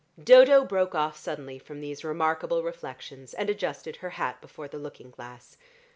Dodo broke off suddenly from these remarkable reflections, and adjusted her hat before the looking glass.